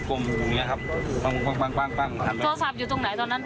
อย่างเงี้ยครับปั้งปั้งปั้งหันโทรศัพท์อยู่ตรงไหนตอนนั้น